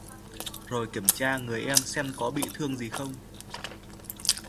rồi kiểm tra người em xem có bị thương gì không